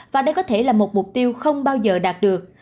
và đây có thể là một mục tiêu không bao giờ đạt được